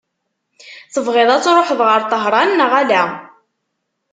Tebɣiḍ ad truḥeḍ ɣer Tahran neɣ ala?